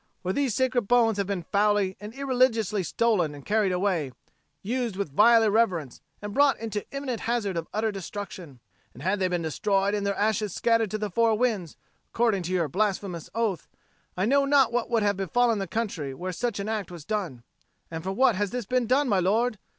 For these sacred bones have been foully and irreligiously stolen and carried away, used with vile irreverence and brought into imminent hazard of utter destruction: and had they been destroyed and their ashes scattered to the four winds, according to your blasphemous oath, I know not what would have befallen the country where such an act was done. And for what has this been done, my lord?